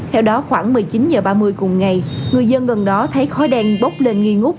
theo đó khoảng một mươi chín h ba mươi cùng ngày người dân gần đó thấy khói đen bốc lên nghi ngút